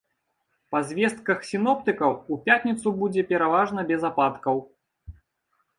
Па звестках сіноптыкаў, у пятніцу будзе пераважна без ападкаў.